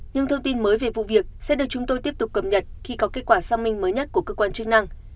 những thông tin mới về vụ việc sẽ được chúng tôi tiếp tục cập nhật khi có kết quả sang minh mới nhất của cơ quan chức năng